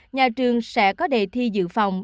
nhà trường sẽ có đề thi dự phòng